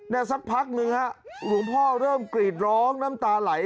สักพักหนึ่งฮะหลวงพ่อเริ่มกรีดร้องน้ำตาไหล